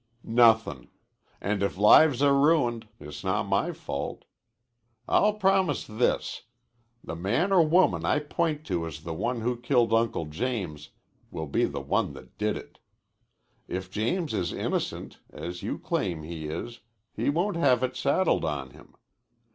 "Nothin'. And if lives are ruined it's not my fault. I'll promise this: The man or woman I point to as the one who killed Uncle James will be the one that did it. If James is innocent, as you claim he is, he won't have it saddled on him.